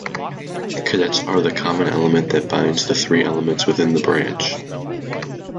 Cadets are the common element that binds the three elements within the Branch.